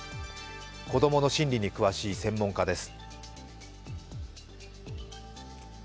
子供の心理に詳しい専門家です。